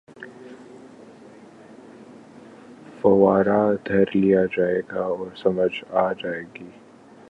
فورا دھر لیا جائے گا اور سمجھ آ جائے گی۔